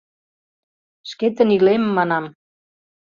— Шкетын илем, — манам.